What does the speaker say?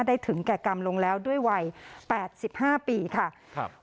ถึงแก่กรรมลงแล้วด้วยวัยแปดสิบห้าปีค่ะครับ